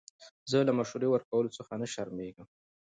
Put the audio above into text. زه له مشورې ورکولو څخه نه شرمېږم.